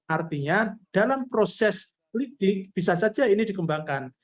artinya dalam proses lidik bisa saja ini dikembangkan